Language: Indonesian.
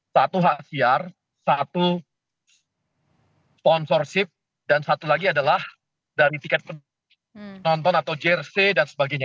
satu hak siar satu sponsorship dan satu lagi adalah dari tiket penonton atau jersey dan sebagainya